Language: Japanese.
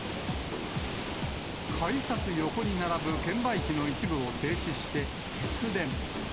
改札横に並ぶ券売機の一部を停止して、節電。